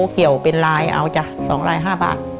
เกี่ยวเป็นลายเอาจ้ะ๒ลาย๕บาท